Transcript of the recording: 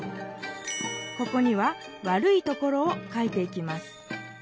ここには悪いところを書いていきます。